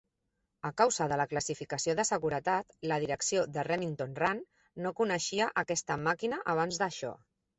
A causa de la classificació de seguretat, la direcció de Remington Rand no coneixia aquesta màquina abans d'això.